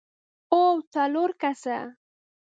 هو، څلور کسه!